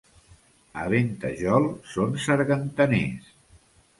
A Ventajol són sargantaners.